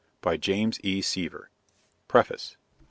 By James E. Seaver. PREFACE.